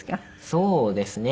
そうですよね。